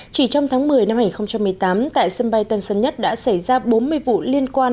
chỉ trong tháng một mươi năm hai nghìn một mươi tám tại sân bay tân sơn nhất đã xảy ra bốn mươi vụ liên quan